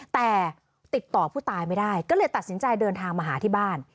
แต่ติดต่อผู้ตายไม่ได้ก็เลยตัดสินใจเดินทางมาหาที่บ้าน